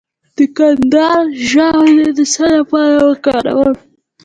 د کندر ژوول د څه لپاره وکاروم؟